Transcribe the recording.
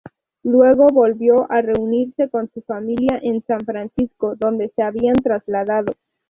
Luego volvió a reunirse con su familia en San Francisco, donde se habían trasladado.